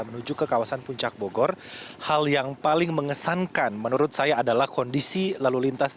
menuju ke kawasan puncak bogor hal yang paling mengesankan menurut saya adalah kondisi lalu lintas